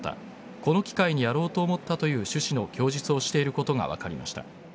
この機会にやろうと思ったという趣旨の供述をしていることが分かりました。